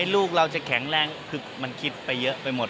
ลูกเราจะแข็งแรงคือมันคิดไปเยอะไปหมด